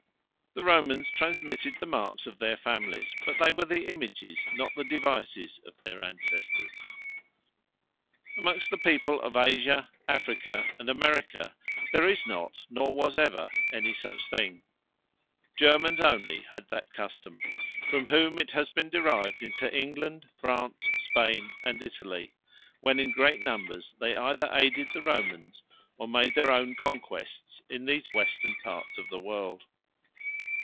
The Romans transmitted the Marks of their Families: but they were the Images, not the Devises of their Ancestors. Amongst the people of Asia, Afrique, and America, there is not, nor was ever, any such thing. The Germans onely had that custome; from whom it has been derived into England, France, Spain, and Italy, when in great numbers they either ayded the Romans, or made their own Conquests in these Westerne parts of the world.